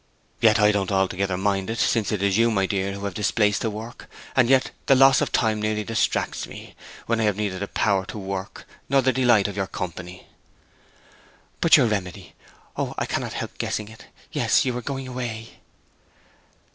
'Yet I don't altogether mind it, since it is you, my dear, who have displaced the work; and yet the loss of time nearly distracts me, when I have neither the power to work nor the delight of your company.' 'But your remedy! O, I cannot help guessing it! Yes; you are going away!'